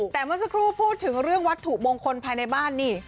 แต่เมื่อสักครู่พูดถึงเรื่องวัตถุมงคลภายในบ้านนี่